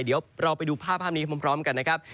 เดี๋ยวเราไปดูภาพนี้พร้อมกันนะครับ